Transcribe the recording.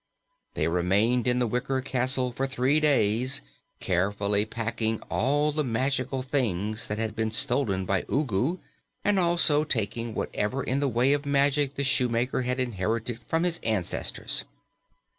They remained in the wicker castle for three days, carefully packing all the magical things that had been stolen by Ugu and also taking whatever in the way of magic the shoemaker had inherited from his ancestors.